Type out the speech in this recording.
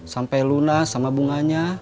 sampai lunas sama bunganya